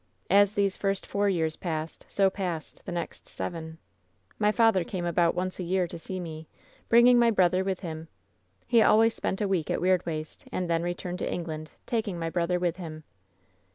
As these first four years passed so passed the next seven. "My father came about once a year to see me, bring ing my brother with him. He always spent a week at Weirdwaste, and then returned to England, taking my brother with him.